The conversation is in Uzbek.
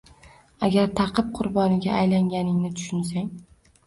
Agar ta’qib qurboniga aylanganingni tushunsang